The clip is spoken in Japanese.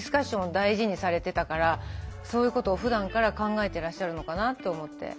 大事にされてたからそういうことをふだんから考えてらっしゃるのかなと思って。